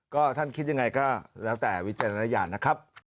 ก็ท่านคิดอย่างไรก็แล้วแต่วิจัยนรยาณนะครับ